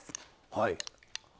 はい。